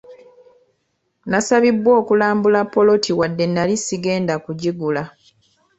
Nasabibwa okulambula ppoloti wadde nali sigenda kugigula.